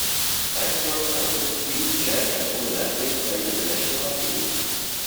Dykstra's uncles, Pete, Jack, and Tony Leswick, played in the National Hockey League.